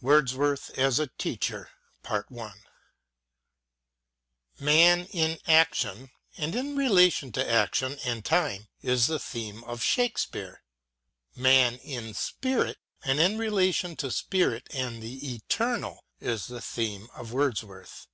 WORDSWORTH AS A TEACHER MAN in action and in relation to action and time is the theme of Shakespeare ; man in spirit and in relation to spirit and the eternal is the theme of Wordsworth.